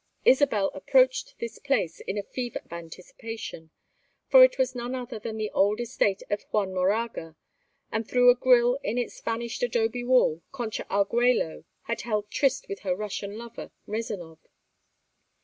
Isabel approached this place in a fever of anticipation, for it was none other than the old estate of Juan Moraga, and through a grille in its vanished adobe wall Concha Argüello had held tryst with her Russian lover, Rézanov.